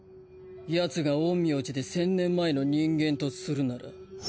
ヤツが陰陽師で１０００年前の人間とするなら。